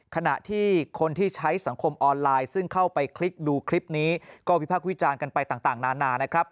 ขณะที่คนที่ใช้สังคมออนไลน์ซึ่งเข้าไปคลิกดูคลิปนี้ก็วิพากษ์วิจารณ์กันไปต่างนานานะครับ